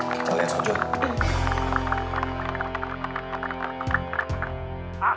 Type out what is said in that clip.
kita lihat suatu